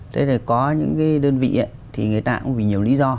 thế thì có những cái đơn vị thì người ta cũng vì nhiều lý do